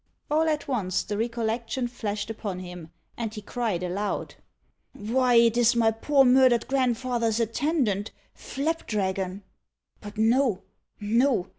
All at once, the recollection flashed upon him, and he cried aloud, "Why, it is my poor murdered grandfather's attendant, Flapdragon! But no! no!